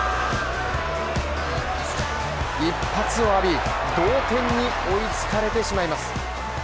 一発を浴び同点に追いつかれてしまいます。